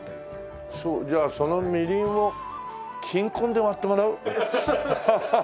じゃあそのみりんを「金婚」で割ってもらう？